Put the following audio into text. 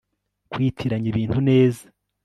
kwitiranya ibintu neza